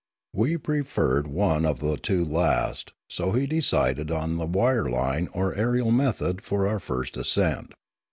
We preferred one of the two last, so he decided on the wire line or aerial method for our first ascent.